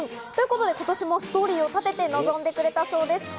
そして今年もストーリーを立てて臨んでくれたそうです。